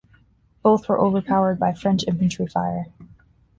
Both were overpowered by French infantry fire.